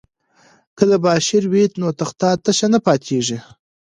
که تباشیر وي نو تخته تشه نه پاتیږي.